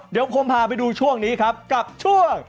เดี๋ยวผมพาไปดูช่วงนี้ครับกับช่วง